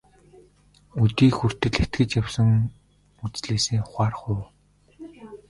Өдий хүртэл итгэж явсан үзлээсээ ухрах уу?